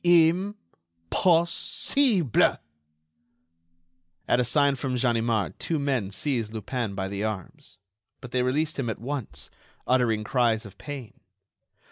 "Im pos sible!" At a sign from Ganimard two men seized Lupin by the arms; but they released him at once, uttering cries of pain.